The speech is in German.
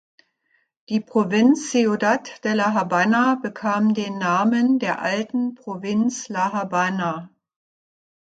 Die Provinz Ciudad de La Habana bekam den Namen der alten Provinz La Habana.